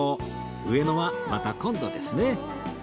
上野はまた今度ですね